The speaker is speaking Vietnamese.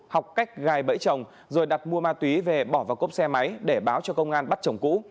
học cách gài bẫy chồng rồi đặt mua ma túy về bỏ vào cốp xe máy để báo cho công an bắt chồng cũ